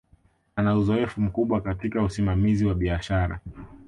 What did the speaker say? Ana uzoefu mkubwa katika usimamizi wa biashara